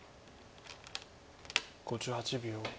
５８秒。